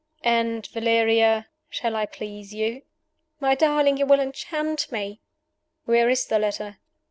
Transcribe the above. "And, Valeria shall I please You?" "My darling, you will enchant me!" "Where is the letter?"